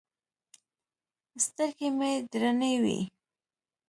سترګې مې درنې وې.